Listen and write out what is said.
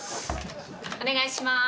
お願いしまーす。